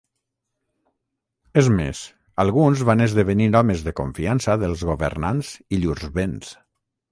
És més, alguns van esdevenir homes de confiança dels governants i llurs béns.